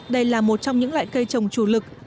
đây là một trong những loại cây trồng chủ lực